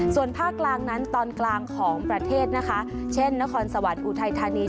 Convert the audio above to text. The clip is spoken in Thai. ส่วนภาคกลางนั้นตอนกลางของประเทศนะคะเช่นนครสวรรค์อุทัยธานี